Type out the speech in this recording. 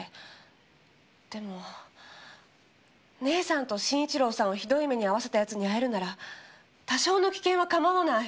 でも姉さんと慎一郎さんをひどい目に遭わせた奴に会えるなら多少の危険は構わない。